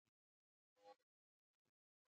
دوی محصولات د پلورونکو په واک کې ورکول.